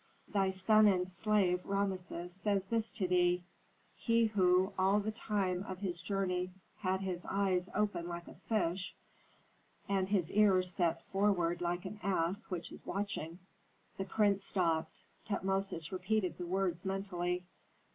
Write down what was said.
"'Thy son and slave, Rameses, says this to thee, he who all the time of his journey had his eyes open like a fish, and his ears set forward like an ass which is watching.'" The prince stopped. Tutmosis repeated the words mentally.